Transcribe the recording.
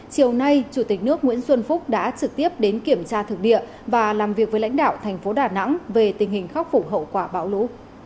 chiều nay chủ tịch nước nguyễn xuân phúc đã trực tiếp đến kiểm tra thực địa và làm việc với lãnh đạo thành phố đà nẵng về tình hình khắc phục hậu quả bão lũ